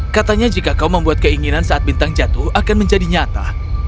katanya jika kau membuat keinginan saat bintang jatuh akan menjadi nyata